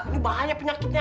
ini bahaya penyakitnya